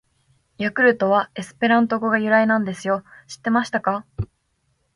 「ヤクルト」はエスペラント語が由来なんですよ！知ってましたか！！